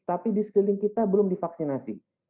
tapi di sekeliling kita belum divaksinasi